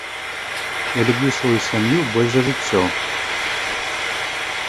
Я люблю сваю сям'ю больш за жыццё.